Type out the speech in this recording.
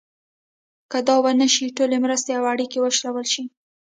که دا ونه شي ټولې مرستې او اړیکې وشلول شي.